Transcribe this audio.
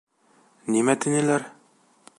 — Нимә тинеләр?